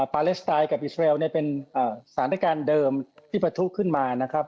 ปาเลสไตน์กับอิสราเอลเนี่ยเป็นสถานการณ์เดิมที่ประทุขึ้นมานะครับ